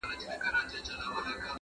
خو نتيجه نه راځي هېڅکله